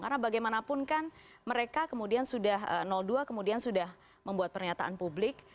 karena bagaimanapun kan mereka kemudian sudah dua kemudian sudah membuat pernyataan publik